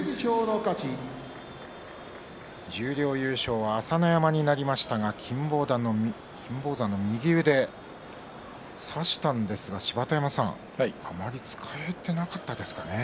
十両優勝は朝乃山になりましたが金峰山の右腕差したんですがあまり使えてなかったですかね。